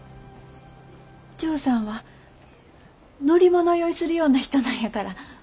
ジョーさんは乗り物酔いするような人なんやから。